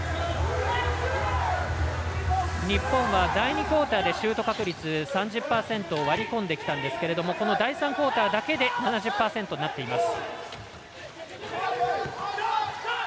日本は第２クオーターでシュート確率３０％を割り込んできたんですが第３クオーターだけで７０％になっています。